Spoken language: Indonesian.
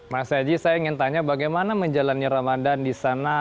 mas haji saya ingin tanya bagaimana menjalani ramadan di sana